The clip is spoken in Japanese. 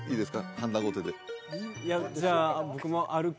はんだごてでおい！